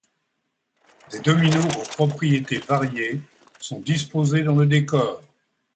Des dominos aux propriétés variées sont disposés dans le décor.